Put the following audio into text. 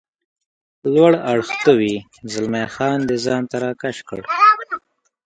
لوړ اړخ ته وي، زلمی خان دی ځان ته را کش کړ.